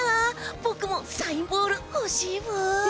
僕もサインボール、欲しいブイ。